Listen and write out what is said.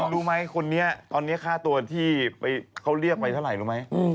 รู้ไหมคนนี้ตอนนี้ค่าตัวที่เขาเรียกไปเท่าไหร่รู้ไหม